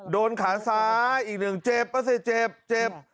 ๑โดนขาซ้ายอีกหนึ่งเจ็บได้ซิเจ็บ